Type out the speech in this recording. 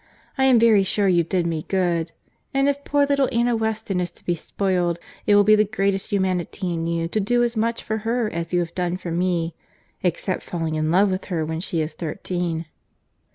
I am very sure you did me good. And if poor little Anna Weston is to be spoiled, it will be the greatest humanity in you to do as much for her as you have done for me, except falling in love with her when she is thirteen."